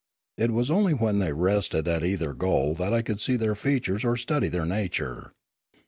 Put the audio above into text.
It was only when they rested at either goal that I could see their features or study their nature.